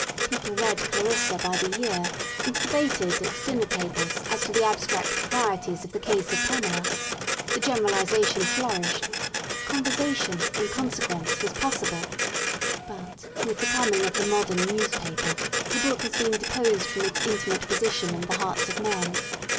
People read '* Clarissa" by the year, and debated, at dinner tables, as to the abstract proprieties of the case of Pamela. The Generalisation flourished ; Conversation in consequence was possible. But, with the coming of the Modern Newspaper, the Book has been deposed from its intimate position in the hearts of men.